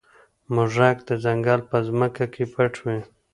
موږک د ځنګل په ځمکه کې پټ وي.